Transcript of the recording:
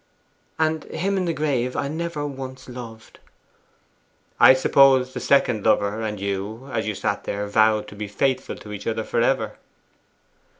'And him in the grave I never once loved.' 'I suppose the second lover and you, as you sat there, vowed to be faithful to each other for ever?